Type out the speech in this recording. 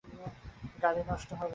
গাড়ি নষ্ট হবে।